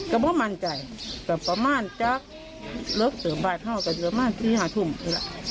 ก็ไม่มั่นใจก็ประมาณแจ๊ะหลักเสือบ้านเข้ากันหลักเสือบ้านสี่หาทุ่มเท่าไหร่